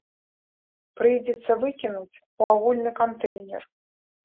Прыйдзецца выкінуць у агульны кантэйнер.